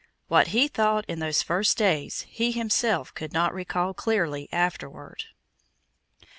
What he thought in those first days he himself could not recall clearly afterward.